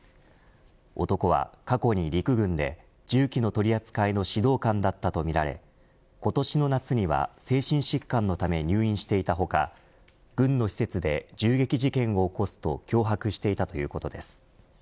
男は過去に陸軍で銃器の取り扱いの指導官だったとみられ今年の夏には精神疾患のため入院していた他軍の施設で銃撃事件を起こすと脅迫していたということです。